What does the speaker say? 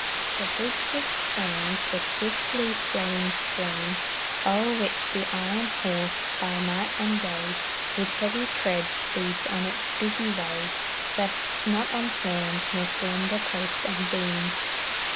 The bridge which spans the swiftly flowing stream O'er which the iron horse, by night and day, With heavy tread speeds on its busy way, Rests not on sand, nor slender post and beam.